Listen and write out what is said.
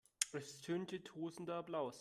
Es ertönte tosender Applaus.